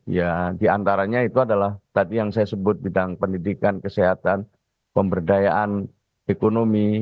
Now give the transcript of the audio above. ya diantaranya itu adalah tadi yang saya sebut bidang pendidikan kesehatan pemberdayaan ekonomi